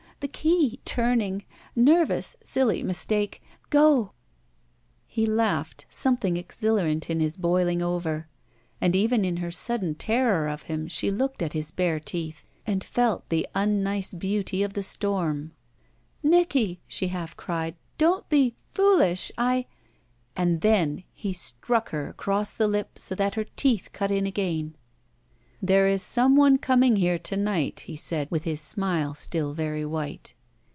The key — ^turning — Nervous — silly — ^mistake. Go —" He laughed, something exhilarant in his boiling over, and even in her sudden terror of him she looked at his bare teeth and felt the tmnice beauty of the storm. *'Nicky," she haH cried, ''don't be— fooUsh! I—" And then he struck her across the lip so that her teeth cut in again. There is some one coming here to night/* he said, with his smile still very white.